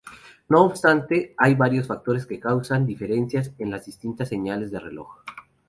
No obstante, hay varios factores que causan diferencias en las distintas señales de reloj.